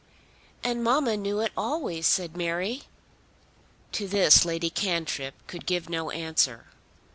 "And mamma knew it always," said Mary. To this Lady Cantrip could give no answer.